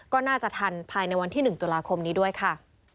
ก็น่าจะทันภายในวันที่๑ตุลาคมนี้ด้วยค่ะ